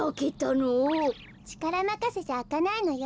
ちからまかせじゃあかないのよ。